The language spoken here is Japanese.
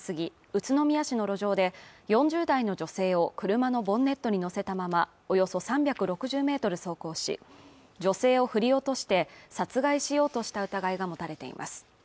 宇都宮市の路上で４０代の女性を車のボンネットに乗せたままおよそ３６０ｍ走行し女性を振り落として殺害しようとした疑いが持たれています